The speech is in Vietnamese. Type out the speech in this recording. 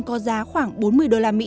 có giá khoảng bốn mươi usd